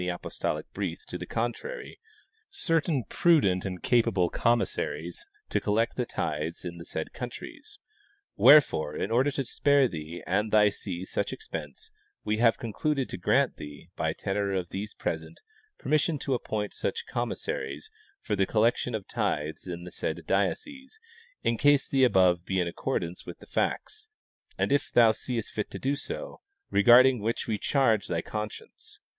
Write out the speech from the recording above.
apostolic brief to the contrary, certain prudent and capable com mib'saries to collect the tithes in the said countries. Wherefore, in order to spare thee and thy see such expense, we have con cluded to grant thee, by tenor of these present, permission to appoint such commissaries for the collection of tithes in the said diocese, in case the above be in accordance with the facts, and if thou seest fit so to do, regarding which we charge thy con science.